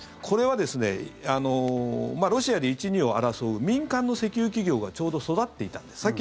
これはロシアで一、二を争う民間の石油企業がちょうど育っていたんです。